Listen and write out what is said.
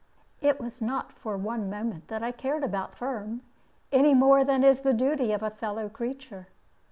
It was not for one moment that I cared about Firm, any more than is the duty of a fellow creature.